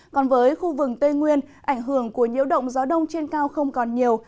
còn với khu vực tây nguyên ảnh hưởng của nhiễu động gió đông trên cao không còn nhiều